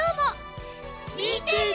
みてね！